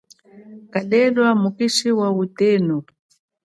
Kalelwa mukishi wa utenu.